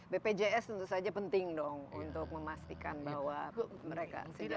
bpjs tentu saja penting dong untuk memastikan bahwa mereka sejauh ini